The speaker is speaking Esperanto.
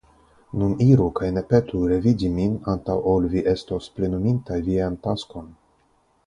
Nun iru, kaj ne petu revidi min antaŭ ol vi estos plenuminta vian taskon.